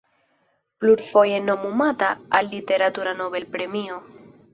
Plurfoje nomumata al literatura Nobel-premio.